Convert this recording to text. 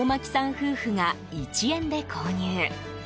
夫婦が１円で購入。